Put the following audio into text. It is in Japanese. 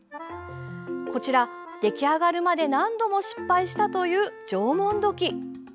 こちら、出来上がるまで何度も失敗したという縄文土器。